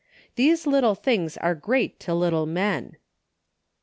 " These little things are great to little men."